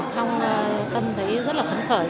trong tâm thấy rất là khấn khởi